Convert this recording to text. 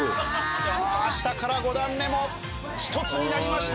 下から５段目も１つになりました。